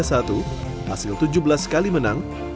hasil tujuh belas kali menang